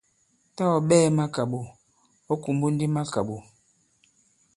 Tâ ɔ̀ ɓɛɛ̄ makàɓò, ɔ̌ kùmbu ndi makàɓò.